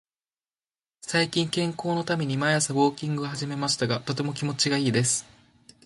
最近、健康のために毎朝ウォーキングを始めましたが、とても気持ちがいいです。